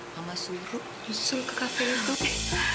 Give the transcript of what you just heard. mama suruh nyusul ke kafe itu